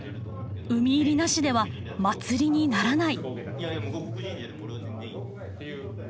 海入りなしでは祭りにならない。